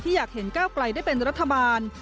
อยากเห็นก้าวไกลได้เป็นรัฐบาล